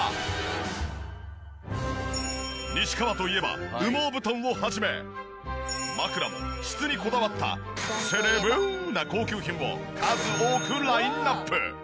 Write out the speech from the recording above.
西川といえば羽毛布団を始め枕も質にこだわったセレブな高級品を数多くラインアップ。